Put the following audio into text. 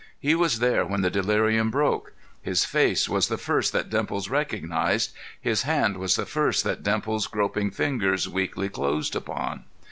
He was there when the delirium broke; his face was the first that Dimples recognized; his hand was the first that Dimples's groping fingers weakly closed upon.